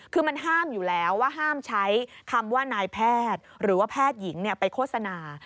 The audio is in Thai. คือมันห้ามอยู่แล้วว่าห้ามใช้คำว่านายแพทย์หรือว่าแพทย์หญิงไปโฆษณา